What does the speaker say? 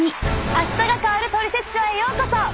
「あしたが変わるトリセツショー」へようこそ！